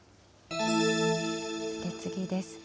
次です。